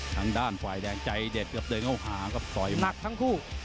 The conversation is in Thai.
ทางด้านฝ่ายแดงใจเด็ดเกือบเดินเข้าหาครับต่อยหนักทั้งคู่